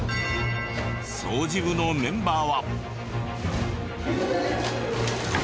掃除部のメンバーは。